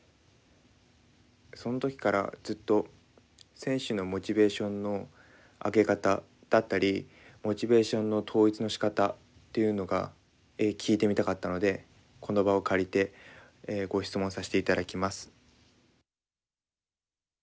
その時からずっと選手のモチベーションの上げ方だったりモチベーションの統一のしかたっていうのが聞いてみたかったのでこの場を借りてご質問させて頂きます。